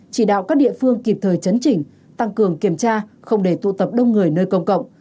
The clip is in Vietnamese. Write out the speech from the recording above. chỉ đạo các địa phương kịp thời chấn chỉnh tăng cường kiểm tra không để tụ tập đông người nơi công cộng